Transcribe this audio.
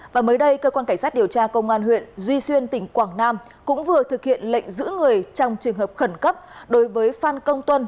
và mới đây cơ quan cảnh sát điều tra công an huyện duy xuyên tỉnh quảng nam cũng vừa thực hiện lệnh giữ người trong trường hợp khẩn cấp đối với phan công tuân